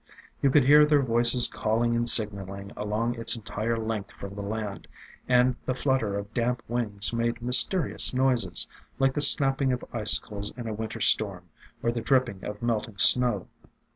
You could hear their voices calling and signaling along its entire length from the land; and the flutter of damp wings made mysterious noises, like the snapping of icicles in a Winter storm or the dripping of melting snow.